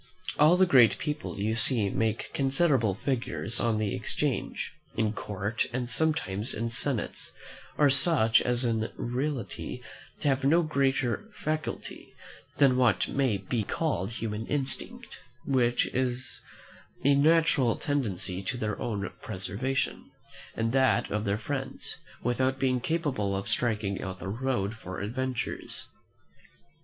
All the great people you see make considerable figures on the exchange, in court, and sometimes in senates, are such as in reality have no greater faculty than what may be called human instinct, which is a natural tendency to their own preservation, and that of their friends, without being capable of striking out of the road for adventures.